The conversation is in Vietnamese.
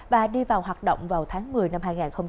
và đi vào hoạt động vào tháng một mươi năm hai nghìn hai mươi ba